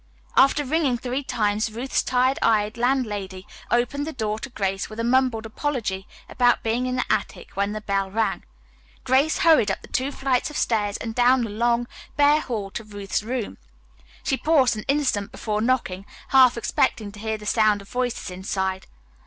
After ringing three times Ruth's tired eyed landlady opened the door to Grace with a mumbled apology about being in the attic when the bell rang. Grace hurried up the two flights of stairs and down the long, bare hall to Ruth's room. She paused an instant before knocking, half expecting to hear the sound of voices inside.